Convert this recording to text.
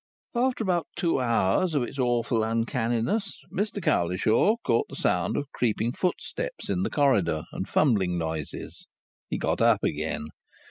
After about two hours of its awful uncanniness, Mr Cowlishaw caught the sound of creeping footsteps in the corridor and fumbling noises. He got up again.